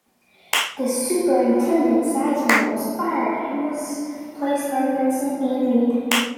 The superintendent, Sizemore was fired and was replaced by Vincent E. Reed.